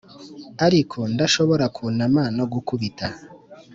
ariko ndashobora kunama no gukubita